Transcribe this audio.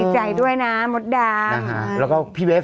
สวัสดีครับ